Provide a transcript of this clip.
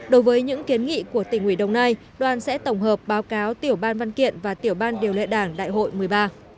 đối với những kiến nghị của tỉnh ủy đồng nai đoàn sẽ tổng hợp báo cáo tiểu ban văn kiện và tiểu ban điều lệ đảng đại hội một mươi ba